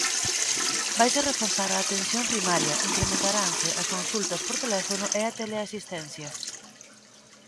Vaise reforzar a Atención Primaria, incrementaranse as consultas por teléfono e a teleasistencia.